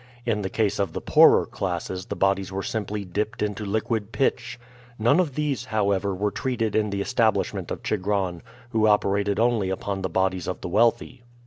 In the case of the poorer classes the bodies were simply dipped into liquid pitch. None of these, however, were treated in the establishment of Chigron, who operated only upon the bodies of the wealthy.